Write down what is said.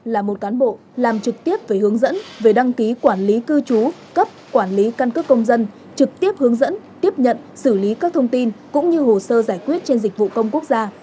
là một cán bộ làm trực tiếp về hướng dẫn về đăng ký quản lý cư trú cấp quản lý căn cước công dân trực tiếp hướng dẫn tiếp nhận xử lý các thông tin cũng như hồ sơ giải quyết trên dịch vụ công quốc gia